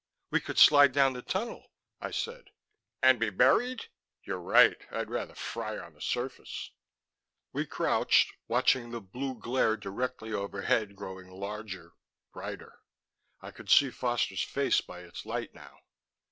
"We could slide down the tunnel," I said. "And be buried?" "You're right; I'd rather fry on the surface." We crouched, watching the blue glare directly overhead, growing larger, brighter. I could see Foster's face by its light now.